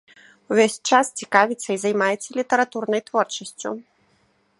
Увесь час цікавіцца і займаецца літаратурнай творчасцю.